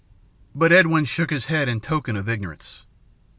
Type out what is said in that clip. But Edwin shook his head in token of ignorance.